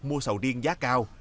mua sầu riêng giá cao